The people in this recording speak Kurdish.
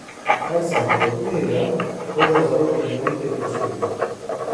Her sal di cotmehê de Roja Zarokên Cîhanî tê pîrozkirin.